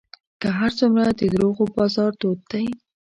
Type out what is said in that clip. که هر څومره د دروغو بازار تود دی